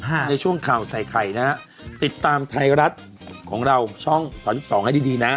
ในช่วงข่าวใส่ไข่นะฮะติดตามไทยรัฐของเราช่องสามสิบสองให้ดีดีนะ